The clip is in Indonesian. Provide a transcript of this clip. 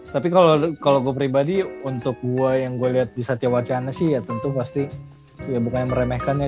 tapi kalau gue pribadi untuk gue yang gue lihat di satya wacana sih ya tentu pasti ya bukannya meremehkan ya